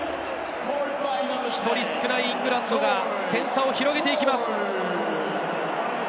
１人少ないイングランドが点差を広げていきます。